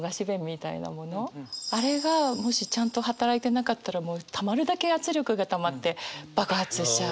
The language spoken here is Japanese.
あれがもしちゃんと働いてなかったらもうたまるだけ圧力がたまって爆発しちゃう。